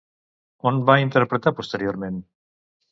On va interpretar posteriorment?